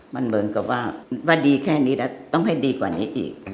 มันเหมือนกับว่าดีแค่นี้แล้วต้องให้ดีกว่านี้อีก